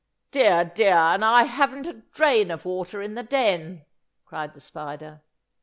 ] "Dear, dear, and I haven't a drain of water in the den!" cried the Spider.